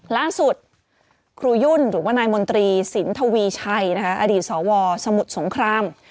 ครูยุ่นหรือว่านายมนตรีสินทวีชัยอดีตสวสมุทรสงคราม